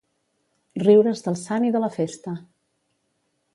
Riure's del sant i de la festa.